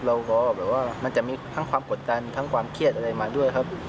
เราก็แบบว่ามันจะมีทั้งความกดดันทั้งความเครียดอะไรมาด้วยครับ